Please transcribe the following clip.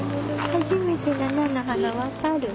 初めての菜の花分かる？